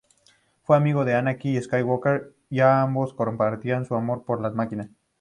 Fue amigo de Anakin Skywalker ya que ambos compartían su amor por las máquinas.